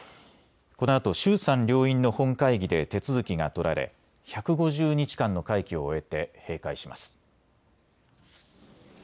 このあと衆参両院の本会議で手続きが取られ１５０日間の会期を終えて閉会します。